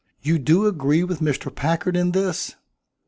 "You do agree with Mr. Packard in this?"